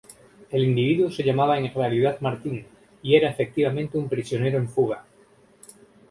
El individuo se llamaba en realidad Martín, y era efectivamente un prisionero "en fuga".